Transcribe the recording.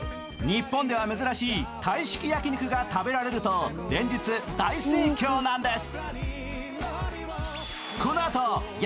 日本では珍しいタイ式焼き肉が食べられると連日、大盛況なんです。